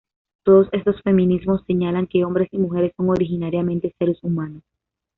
Todos estos feminismos señalan que hombres y mujeres son originariamente seres humanos.